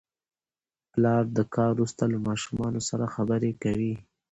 پلر د کار وروسته له ماشومانو سره خبرې کوي